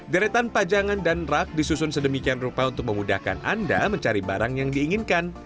deretan pajangan dan rak disusun sedemikian rupa untuk memudahkan anda mencari barang yang diinginkan